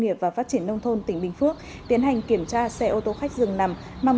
nghiệp và phát triển nông thôn tỉnh bình phước tiến hành kiểm tra xe ô tô khách dường nằm